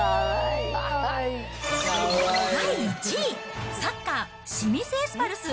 第１位、サッカー、清水エスパルス。